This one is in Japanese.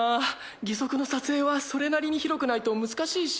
義足の撮影はそれなりに広くないと難しいし。